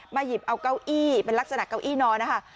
หยิบเอาเก้าอี้เป็นลักษณะเก้าอี้นอนนะคะ